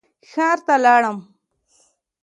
ښار ته لاړم.